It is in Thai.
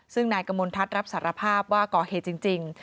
ซึ่งนายกมลทัศน์รับสารภาพว่าก่อเหตุจริง